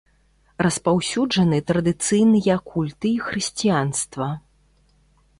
Распаўсюджаны традыцыйныя культы і хрысціянства.